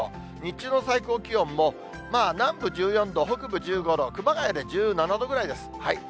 日中の最高気温も、南部１４度、北部１５度、熊谷で１７度ぐらいです。